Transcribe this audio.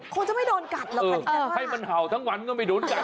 คงจะไม่โดนกัดหรอกค่ะให้มันเห่าทั้งวันก็ไม่โดนกัด